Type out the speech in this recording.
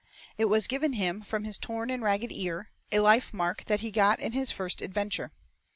It was given him from his torn and ragged ear, a life mark that he got in his first adventure.